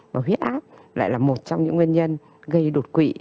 và huyết áp lại là một trong những nguyên nhân gây đột quỵ